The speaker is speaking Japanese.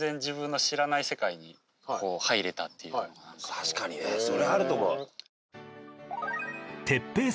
確かにそれあると思う。